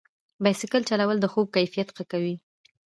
بایسکل چلول د خوب کیفیت ښه کوي.